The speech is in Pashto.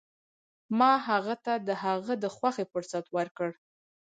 ما هغه ته د هغه د خوښې فرصت ورکړ.